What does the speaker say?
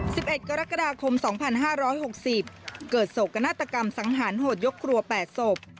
สิบเอ็ดกรกฎาคมสองพันห้าร้อยหกสิบเกิดโศกนาฏกรรมสังหารโหดยกครัวแปดศพ